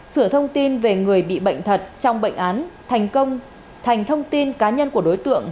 sửa thông tin về người bị bệnh thật trong bệnh án thành công thành thông tin cá nhân của đối tượng